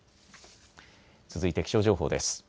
続いて気象情報です。